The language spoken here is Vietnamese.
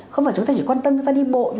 không phải chúng ta chỉ quan tâm chúng ta đi bộ